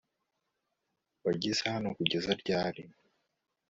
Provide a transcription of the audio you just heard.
wageze hano kugeza ryari